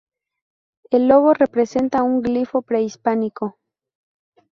El logo representa un glifo prehispánico.